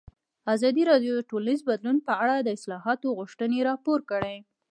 ازادي راډیو د ټولنیز بدلون په اړه د اصلاحاتو غوښتنې راپور کړې.